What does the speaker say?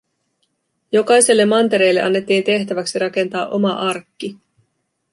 Jokaiselle mantereelle annettiin tehtäväksi rakentaa oma arkki.